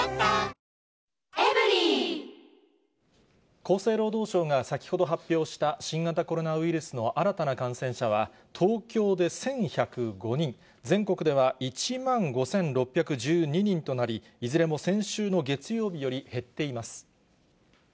厚生労働省が先ほど発表した新型コロナウイルスの新たな感染者は、東京で１１０５人、全国では１万５６１２人となり、いずれも先週の月曜日より減っています。